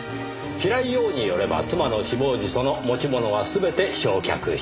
平井陽によれば妻の死亡時その持ち物は全て焼却した。